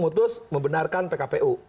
memutus membenarkan pkpu